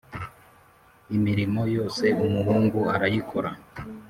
imirimo yose Umuhungu arayikora